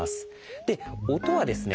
で音はですね